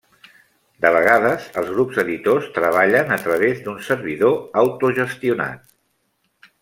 De vegades els grups editors treballen a través d'un servidor autogestionat.